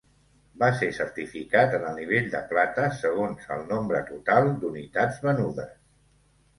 Va ser certificat en el nivell de plata segons el nombre total d'unitats venudes.